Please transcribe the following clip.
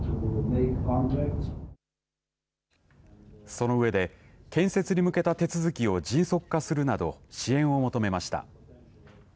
その上で建設に向けた手続きを迅速化するなど支援を求めました。